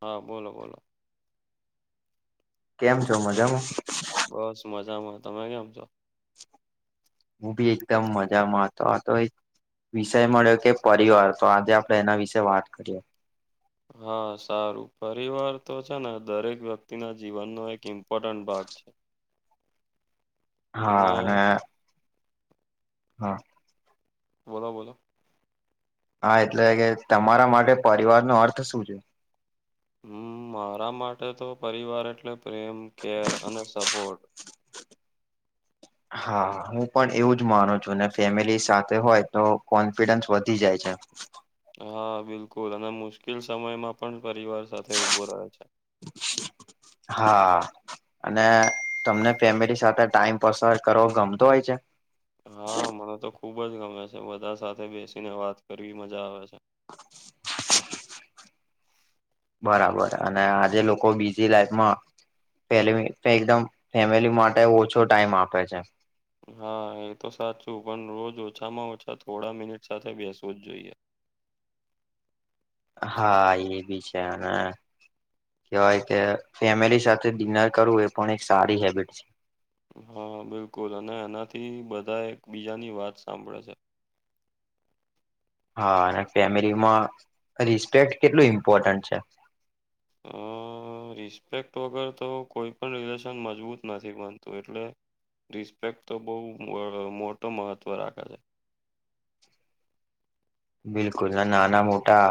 હા બોલો બોલો કેમ છો મજામાં? બસ મજામાં તમે કેમ છો? હું બી એકદમ મજામાં હતો આ તો એક વિષય મળ્યો કે પરિવાર તો આજે આપડે એના વિશે વાત કરીએ. હા સારું પરિવાર તો છે ને દરેક વ્યક્તિ ના જીવનનો એક ઇમ્પોર્ટન્ટ ભાગ છે. હા અને હા. બોલો બોલો હા એટલે કે તમારા માટે પરિવાર નો અર્થ શું છે. હમ મારા માટે તો પરિવાર એટલે પ્રેમ કેર અને સપોર્ટ હા હું પણ એવું જ માનું છું ને ફેમિલી સાથે હોય તો કોન ફિડેન્સ વધી જાય છે. હા બિલકુલ અને મુશ્કેલ સમયમાં પણ પરિવાર સાથે ઉભો રહે છે. [unintelligible] હા. અને તમને ફેમિલી સાથે ટાઈમ પસાર કરવો ગમતો હોય છે. હા મને તો ખુબ જ ગમે છે બધા સાથે બેસીને વાત કરવી મજા આવે છે. બરાબર અને આજે લોકો બીઝી લાઈફમાં [inaudible] ફે એકદમ ફેમિલી માટે ઓછો ટાઈમ આપે છે. હા એ તો સાચું પણ રોજ ઓછામાં ઓછા થોડા મિનિટ સાથે બેસવું જ જોઈએ. હા એ ભી છે હા. કેવાય કે ફેમિલી સાથે ડિનર કરવું એ પણ એક સારી હેબિટ છે. હા બિલકુલ અને એનાથી બધા એક બીજાની વાત સાંભળ સે. હા અને ફેમિલીમાં રિસ્પેક્ટ કેટલું ઇમ્પોર્ટન્ટ છે. હ. અ રિસ્પેક્ટ વગર તો કોઈ પણ રિલેશન મજબૂત નથી બનતું એટલે રિસ્પેક્ટ તો બઉુ અ મોટો મહત્વ રાખે છે. બિલકુલ અને નાના મોટા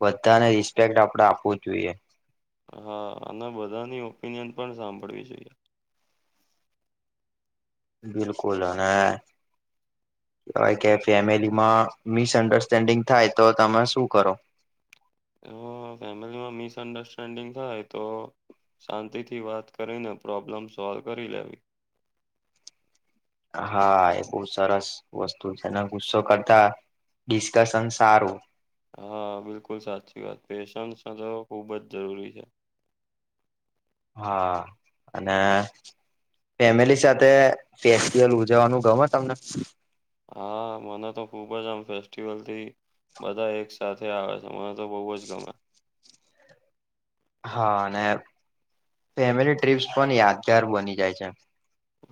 બધાને રિસ્પેક્ટ આપડે આપવુ જોઈએ. હા અને બધાની ઓપિનિયન પણ સાંભળવી જોઈએ. બિલકુલ અને કોઈ કે છે ફેમિલીમાં મિસઅન્ડરસ્ટેન્ડિંગ થાય તો તમે શું કરો હું ફેમિલીમાં મિસઅન્ડરસ્ટેન્ડિંગ થાય તો શાંતિ થી વાત કરીને પ્રોબ્લમ સોલ્વ કરી લેવી હા એ બો સરસ વસ્તુ છેને ગુસ્સો કરતા ડિસ્કસન સારું. હા બિલકુલ સાચી વાત પેશન્સ સલાહો ખુબ જ જરૂરી છે. હા અને ફેમિલી સાથે ફેસ્ટિવલ ઉજવવાનું ગમ તમન. હા મન તો ખુબ જ આમ ફેસ્ટિવલથી બધા એક સાથે આવે છે મને તો બઉ જ ગમે. હા અને ફેમિલી ટ્રીપ્સ પન યાદગાર બની જાય છે.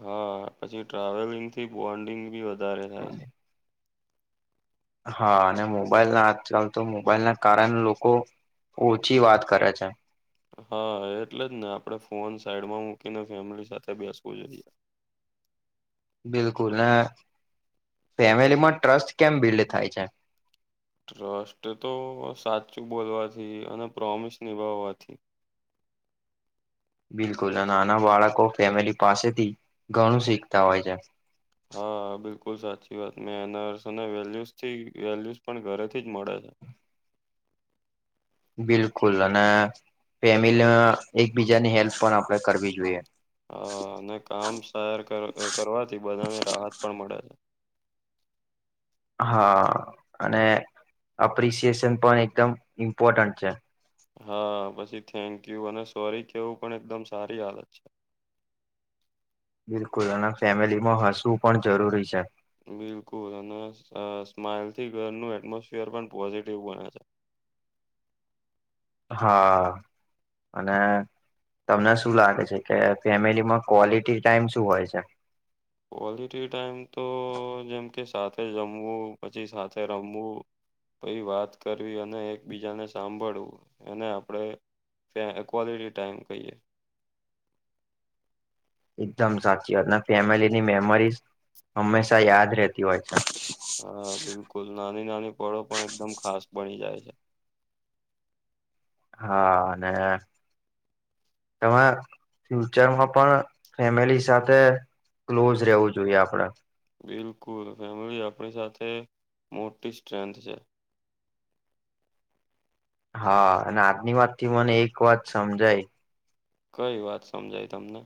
હા પછી ટ્રાવેલિંગ થી બોન્ડિંગ બી વધારે થાય છે. હા અને મોબાઈલ ના આજકાલ તો મોબાઈલના કારન લોકો ઓછી વાત કરે છે. હા એટલે જ ને આપડે ફોન સાઈડમાં મૂકીને ફેમિલી સાથે બેસવું જોઈએ. બિલકુલ ને ફેમિલીમાં ટ્રસ્ટ કેમ બિલ્ડ થાય છે? ટ્રસ્ટ તો સાચું બોલવાથી અને પ્રોમિસ નિભાવવાથી. બિલકુલ ને નાના બાળકો ફેમિલી પાસેથી ઘણું શીખતા હોય છે. હા બિલકુલ સાચી વાત મેનર્સ અને વેલ્યુસ થી વેલ્યુસ પણ ઘરેથી જ મળે છે. બિલકુલ અને ફેમિલીમાં એકબીજાની હેલ્પ પણ આપણેે કરવી જોઈએ. હા અને કામ સહેર કર અ કરવાથી બધાને રાહત પણ મળે છે. હા અને અપ્રિસિયેશન પણ એકદમ ઇમ્પોર્ટન્ટ છે. હા પછી થેન્ક યુ અને સોરી કેવું પણ એકદમ સારી આદત છે. બિલકુલ અને ફેમિલીમાં હસવું પણ જરૂરી છે. બિલકુલ અને અ સ્માઈલથી ઘરનું એટમોસફિયર પણ પોઝિટિવ બને છે. હા અને તમને શું લાગે છે કે ફેમિલીમાં ક્વોલિટી ટાઈમ શું હોય છે? ક્વોલિટી ટાઈમ તો જેમ કે સાથે જમવું પછી સાથે રમવું પહી વાત કરવી અને એકબીજાને સાંભળવું અને આપડે ફે કવોલિટી ટાઈમ કહીએ. એકદમ સાચી વાત ને ફેમિલીની મેમરીઝ હંમેશા યાદ રહેતી હોય છે. હા બિલકુલ નાની નાની પળો પણ એકદમ ખાસ બની જાય છે. હા અને તમે ફ્યુચરમાં પણ ફેમિલી સાથે ક્લોઝ રહેવું જોઈએ આપડે. બિલકુલ ફેમિલી આપણી સાથે મોટી સ્ટ્રેન્થ છે. હા અને આજની વાત થી મને એક વાત સમજાઈ કઈ વાત સમજાય તમને?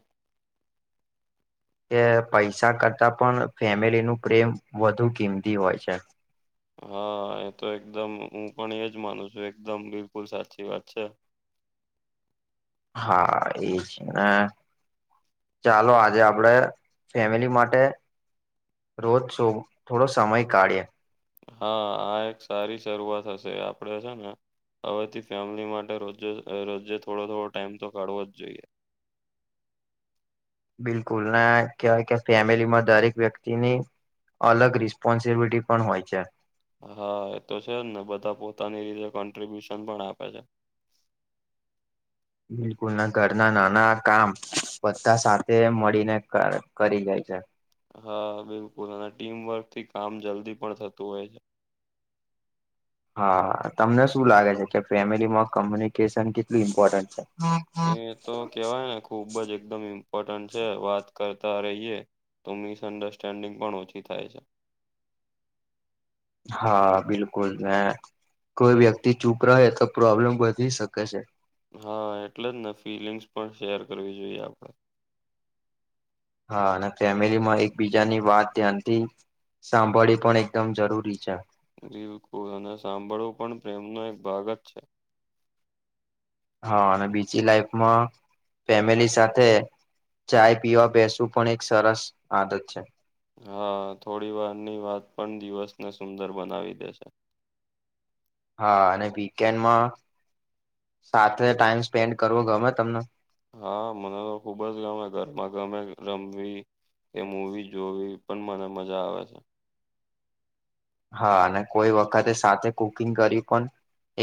કે પૈસા કરતા પણ ફેમિલી નું પ્રેમ વધુ કીમતી હોય છે. હા એ તો એકદમ હું પણ એજ માનું છું એકદમ બિલકુલ સાચી વાત છે. એ છે ને ચાલો આજે આપડે ફેમિલી માટે રોજ સો થોડો સમય કાઢએ. હા આ એક સારી શરૂઆત હશે આપડે છે ને હવેથી ફેમિલી માટે રોજજે અ રોજજે થોડો થોડો ટાઈમ તો કાઢવો જ જોઈએ. બિલકુલ ના કેવાય કે ફેમિલી માં દરેક વ્યક્તિની અલગ રિસ્પોન્સિબિલિટી પણ હોય છે. હા એ તો છે જ ને બધા પોતાની રીતે કોન્ટ્રિબ્યુશન પણ આપે છે. બિલકુલ ના ઘરના નાના કામ બધા સાથે મળીને ક કરી જાય છે. હા બિલકુલ અને ટીમ વર્ક થી કામ જલ્દી પણ થતું હોય છે. હા તમને શું લાગે છે કે ફેમિલીમાં કોમ્યુનિકેશન કેટલી ઇમ્પોર્ટન્ટ છે? એ તો કેવાય ને ખુબ જ એકદમ ઇમ્પોર્ટન્ટ છે વાત કરતા રહીએ તો મિસઅન્ડરસ્ટેન્ડિંગ પણ ઓછી થાય છે. હા બિલકુલ ને કોઈ વ્યક્તિ ચૂપ રહે તો પ્રોબ્લેમ વધી શકે છે. હા એટલે જ ને ફિલિંગ્સ પણ શેર કરવી જોઈએ આપડે. હા અને ફેમિલીમાં એકબીજાની વાત ધ્યાનથી સાંભળી પણ એકદમ જરૂરી છે. બિલકુલ અને સાંભળવું પણ પ્રેમનો એક ભાગ જ છે. હા અને બીજી લાઈફમાં ફેમિલી સાથે ચાય પીવા બેસવું પણ એક સરસ આદત છે. હા, થોડીવારની વાત પણ દિવસને સુંદર બનાવી દેશે. હા અને વીકેન્ડમાં સાથે ટાઈમ સ્પેન્ડ કરવો ગમે તમને? હા મને તો ખુબ જ ગમે ઘરમાં ગમે રમવી કે મૂવી જોવી પણ મને મજા આવે છે. હા અને કોઈ વખતે સાથે કુકિંગ કર્યું પણ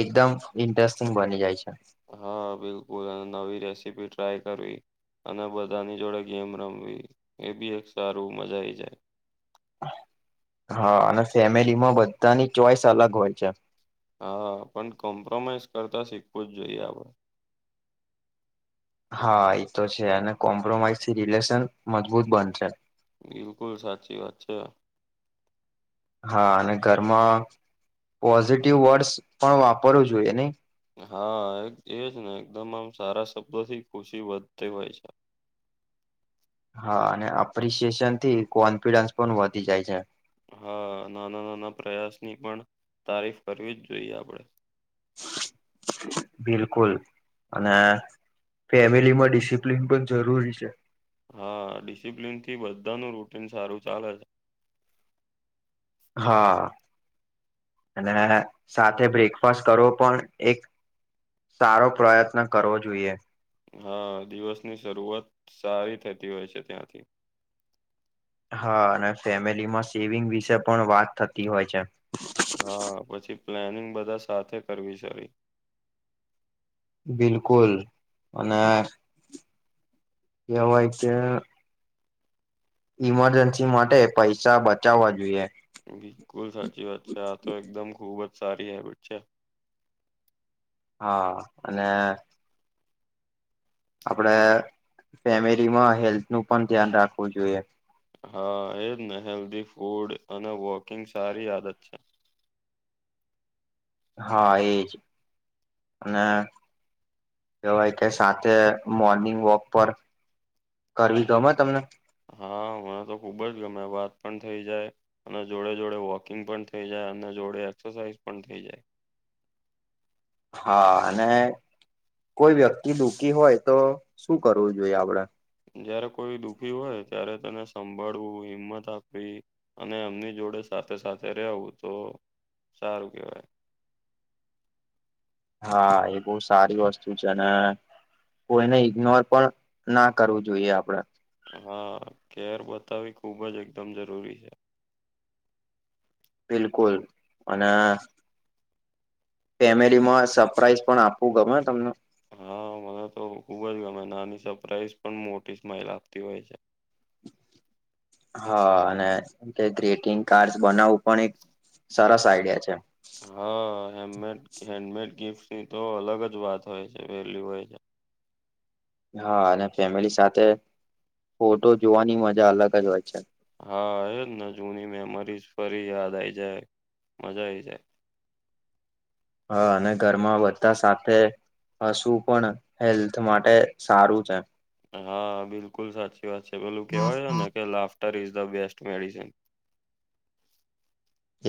એકદમ ઇન્ટરેસ્ટિંગ બની જાય છે. હા બિલકુલ અને નવી રેસીપી ટ્રાય કરવી. અને બધાની જોડે ગેમ રમવી એ બી એક સારું મજા આવી જાય. હા અને ફેમિલીમાં બધાની ચોઈસ અલગ હોય છે. હા પણ કોમ્પ્રોમાઈઝ કરતા શીખવું જ જોઈએ આપણે હા એતો છે અને કોમ્પ્રોમાઈઝથી રિલેશન મજબૂત બનશે. બિલકુલ સાચી વાત છે. હા અને ઘરમાં પોઝિટિવ વર્ડસ પણ વાપરવું જોઈએ નહી? હા એક એ જ ને એકદમ આમ સારા શબ્દોથી ખુશી વધતી હોય છે. હા અને એપ્રિશિએશનથી કોન્ફિડન્સ પણ વધી જાય છે. હા નાના નાના પ્રયાસની પણ તારીફ કરવી જ જોઈએ આપડે. [inaudible] બિલકુલ અને ફેમિલીમાં ડિસિપ્લિન પણ જરૂરી છે. હા ડિસિપ્લિનથી બધાનું રૂટીન સારું ચાલે છે. હા અને સાથે બ્રેકફાસ્ટ કરો પણ એક સારો પ્રયત્ન કરવો જોઈએ. હા દિવસની શરૂઆત સારી થતી હોય છે ત્યાંથી હા, અને ફેમિલીમાં સેવિંગ વિશે પણ વાત થતી હોય છે. હા, પછી પ્લાનિંગ બધા સાથે કરવી સારી. બિલકુલ, અને કેવાય કે ઈમરજન્સી માટે પૈસા બચાવવા જોઈએ. બિલકુલ સાચી વાત છે. આ તો એકદમ ખુબ જ સારી હેબિટ છે. હા, અને આપણે ફેમિલીમાં હેલ્થનું પણ ધ્યાન રાખવું જોઈએ. હા, એ જને. હેલ્ધી ફૂડ અને વોકિંગ સારી આદત છે. હા, એજ અને કેવાય કે સાથે મોર્નિંગ વોક પર કરવી ગમે તમને? હા, હમણા તો ખુબ જ ગમે વાત પણ થઈ જાય અને જોડે જોડે વોકિંગ પણ થઈ જાય અને જોડે એક્સરસાઇઝ પણ થઈ જાય. હા, અને કોઈ વ્યક્તિ દુઃખી હોય, તો શું કરવું જોઈએ આપડે? જયારે કોઈ દુઃખી હોય, ત્યારે તેને સંભાળવું, હિંમત આપવી. અને એમની જોડે સાથે સાથે રેહવું તો સારું કેવાય. હા એ બહુ સારી વસ્તુ છે ને કોઈને ઈગ્નોર પણ ના કરવું જોઈએ આપડે હા કેર બતાવી ખુબ જ એકદમ જરૂરી છે. બિલકુલ અને ફેમિલીમાં સરપ્રાઈઝ પણ આપવું ગમે તમને? હા, મને તો ખુબ જ ગમે. નાની સરપ્રાાઈઝ પણ મોટી સ્માઈલ આપતી હોય છે. હા, અને ગ્રીટિંગ કાર્ડ બનાવવું પણ એક સરસ આઈડિયા છે. હા, હેન્ડમેડ, હેન્ડમેડ ગિફ્ટની તો અલગ જ વાત હોય છે વેલ્યુ હોય છે. હા, અને ફેમિલી સાથે ફોટો જોવાની મજા અલગ જ હોય છે. હા. એજ ને. જૂની મેમરીઝ ફરી યાદ આઈ જાય, મજા આઈ જાય. હા, અને ઘરમાં બધા સાથે હશવું પણ હેલ્થ માટે સારું છે. હા, બિલકુલ સાચી વાત છે. પેલું કેવાય છે ને કે, laughter is the best medicine.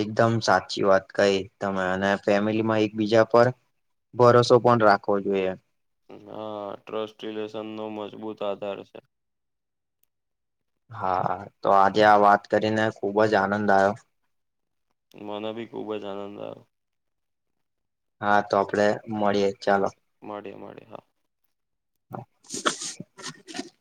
એકદમ સાચી વાત કઈ તમે અને ફેમિલીમાં એકબીજા પર ભરોસો પણ રાખવો જોઈએ. હા, ટ્રસ્ટ રિલેશનનો મજબૂત આધાર છે. હા, તો આજે આ વાત કરીને, ખુબ જ આનંદ આયો મને બી ખુબ જ આનંદ આયો. હા, તો આપડે મળીએે, ચાલો. મળીયે મળીયે હા [inaudible]